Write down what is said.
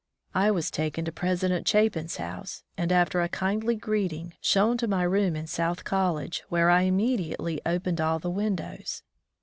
I was taken to President Chapin's house, and after a kindly greeting, shown to my room in South College, where I im mediately opened all the windows.